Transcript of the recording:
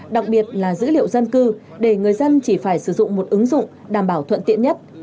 đặc biệt là dữ liệu dân cư để người dân chỉ phải sử dụng một ứng dụng đảm bảo thuận tiện nhất